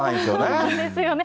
そうなんですよね。